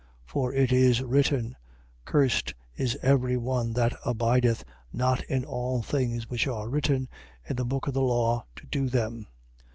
For it is written: Cursed is every one that abideth, not in all things which are written in the book of the law to do them.